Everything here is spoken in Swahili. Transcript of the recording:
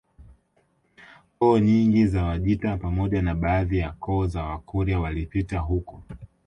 Koo nyingi za Wajita pamoja na baadhi ya koo za Wakurya walipita huko